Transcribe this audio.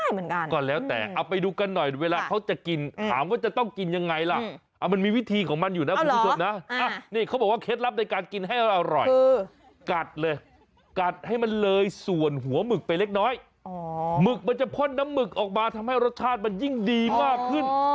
หมึกมันจะพ่อนน้ำหมึกออกมาทำให้รสชาติมันยิ่งดีมากขึ้น